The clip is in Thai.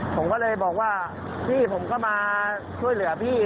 ผมก็เลยบอกว่าพี่ผมก็มาช่วยเหลือพี่